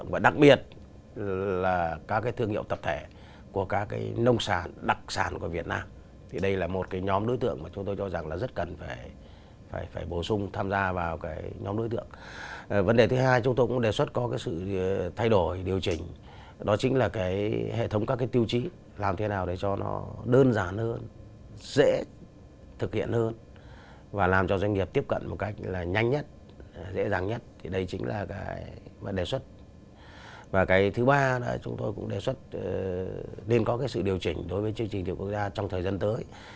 và cái thứ ba là chúng tôi cũng đề xuất nên có cái sự điều chỉnh đối với chương trình thiệu quốc gia trong thời gian tới